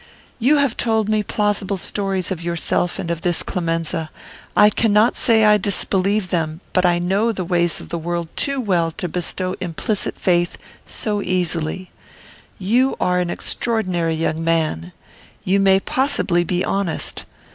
"You have told me plausible stories of yourself and of this Clemenza. I cannot say that I disbelieve them, but I know the ways of the world too well to bestow implicit faith so easily. You are an extraordinary young man. You may possibly be honest.